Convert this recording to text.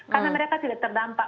karena mereka tidak terdampak